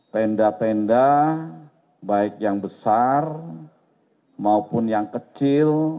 tenda tenda baik yang besar maupun yang kecil